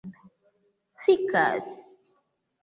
fikas